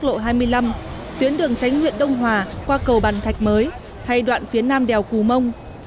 quốc lộ hai mươi năm tuyến đường tránh nguyện đông hòa qua cầu bàn thạch mới hay đoạn phía nam đèo cù mông